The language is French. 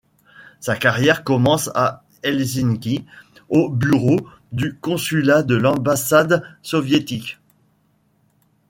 Sa carrière commence à Helsinki au bureau du consulat de l'ambassade soviétique.